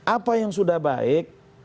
apa yang sudah baik